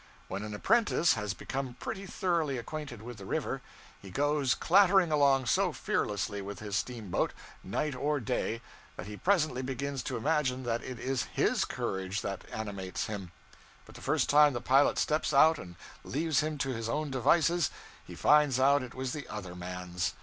When an apprentice has become pretty thoroughly acquainted with the river, he goes clattering along so fearlessly with his steamboat, night or day, that he presently begins to imagine that it is _his _courage that animates him; but the first time the pilot steps out and leaves him to his own devices he finds out it was the other man's.